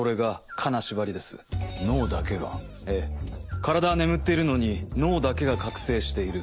ええ体は眠っているのに脳だけが覚醒している。